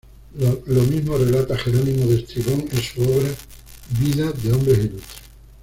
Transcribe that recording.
Lo mismo relata Jerónimo de Estridón en su obra "Vidas de hombres ilustres".